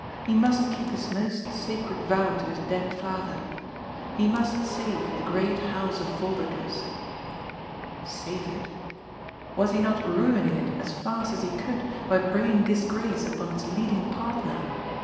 He must keep his most sacred vow to his dead father. He must save the great house of Vol derdoes. Save it? Was he not ruining it as fast as he could by bringing disgrace upon its leading partner